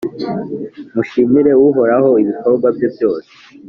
mushimire Uhoraho ibikorwa bye byose.